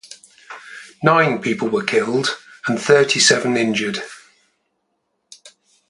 Nine people were killed and thirty seven injured.